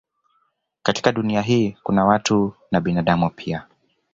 Katika Dunia hii kuna watu na binadamu pia